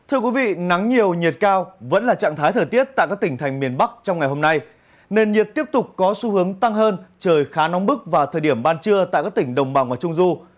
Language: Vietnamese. thưa quý vị nắng nhiều nhiệt cao vẫn là trạng thái thời tiết tại các tỉnh thành miền bắc trong ngày hôm nay nền nhiệt tiếp tục có xu hướng tăng hơn trời khá nóng bức vào thời điểm ban trưa tại các tỉnh đồng bằng và trung du